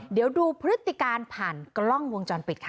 เดี๋ยวดูพฤติการผ่านกล้องวงจรปิดค่ะ